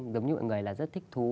giống như người là rất thích thú